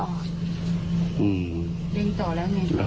ดึงต่อแล้วไง